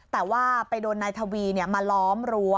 แต่ว่าไปโดนนายทวีมาล้อมรั้ว